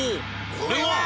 これは！